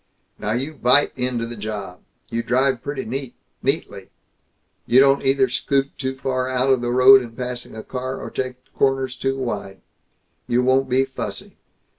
Now you bite into the job. You drive pretty neat neatly. You don't either scoot too far out of the road in passing a car, or take corners too wide. You won't be fussy.